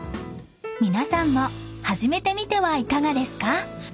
［皆さんも始めてみてはいかがですか？］